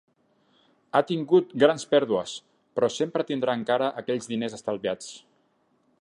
Ha tingut grans pèrdues, però sempre tindrà encara aquells diners estalviats.